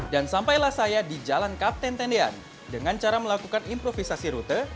dan sampailah saya di jalan kapten tendean dengan cara melakukan improvisasi rute